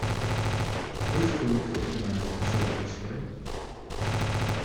Who is going to organise the children's play?